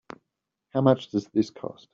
How much does this cost?